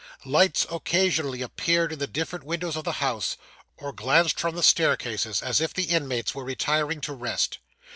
Lights occasionally appeared in the different windows of the house, or glanced from the staircases, as if the inmates were retiring to rest.